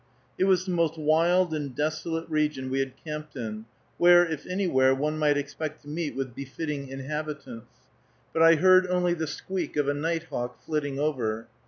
It was the most wild and desolate region we had camped in, where, if anywhere, one might expect to meet with befitting inhabitants, but I heard only the squeak of a nighthawk flitting over.